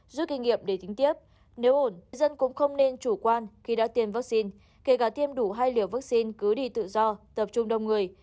rút kinh nghiệm để tính tiếp nếu ổn dân cũng không nên chủ quan khi đã tiêm vaccine kể cả tiêm đủ hai liều vaccine cứ đi tự do tập trung đông người